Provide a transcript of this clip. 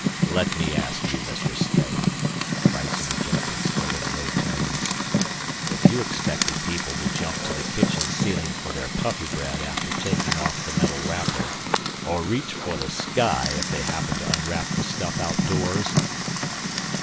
"Let me ask you, Mr. Snedden," Gryce interjected, still in low tones, "if you expected people to jump to the kitchen ceiling for their Puffybread after taking off the metal wrapper, or reach for the sky if they happened to unwrap the stuff outdoors?"